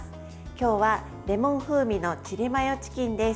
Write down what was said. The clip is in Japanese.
今日は、レモン風味のチリマヨチキンです。